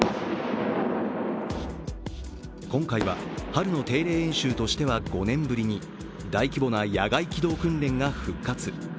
今回は春の定例演習としては５年ぶりに大規模な野外機動訓練が復活。